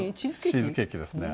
チーズケーキですね。